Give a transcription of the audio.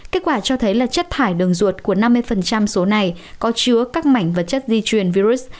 kết quả cho thấy là chất thải đường ruột của năm mươi số này có chứa các mảnh vật chất di truyền virus